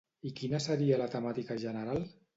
I quina seria la temàtica general?